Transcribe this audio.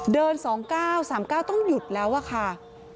เดิน๒ก้าว๓ก้าวต้องหยุดแล้วอ่ะค่ะ